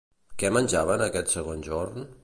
Què menjaven aquest segon jorn?